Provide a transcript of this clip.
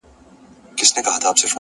هر منزل د نوې موخې دروازه ده,